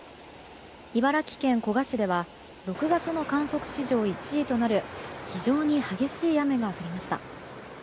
茨城県古河市では６月の観測史上１位となる非常に激しい雨が降りました。